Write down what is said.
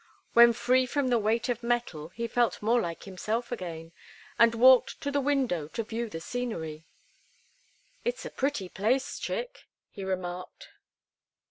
When free from the weight of metal he felt more like himself again, and walked to the window to view the scenery. "It's a pretty place, Chick," he remarked.